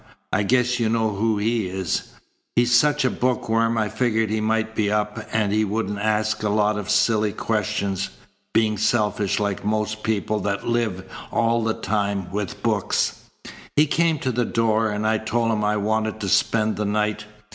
I guess you know who he is. He's such a book worm I figured he might be up, and he wouldn't ask a lot of silly questions, being selfish like most people that live all the time with books. He came to the door, and I told him I wanted to spend the night.